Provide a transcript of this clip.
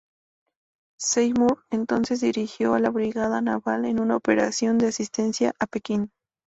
Seymour entonces dirigió a la Brigada Naval en una operación de asistencia a Pekín.